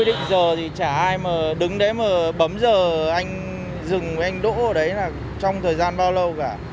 đứng đấy mà bấm giờ anh dừng anh đỗ ở đấy là trong thời gian bao lâu cả